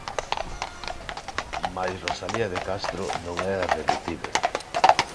Mais Rosalía de Castro non era redutíbel.